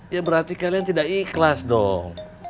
ya berarti kalian tidak ikhlas dong